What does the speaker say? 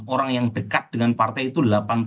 orang yang dekat dengan partai itu delapan puluh enam